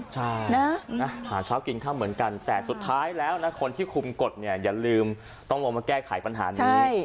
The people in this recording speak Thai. ใช่นะหาเช้ากินข้าวเหมือนกันแต่สุดท้ายแล้วนะคนที่คุมกฎเนี่ยอย่าลืมต้องลงมาแก้ไขปัญหานี้